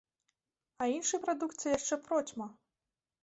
А іншай прадукцыі яшчэ процьма.